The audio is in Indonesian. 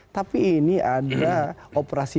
tapi ini ada operasi